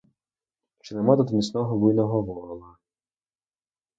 Чи нема тут міцного, буйного вола?